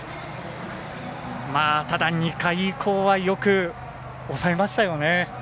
ただ、２回以降はよく抑えましたよね。